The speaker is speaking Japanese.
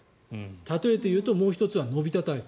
例えて言うともう１つは、のび太タイプ。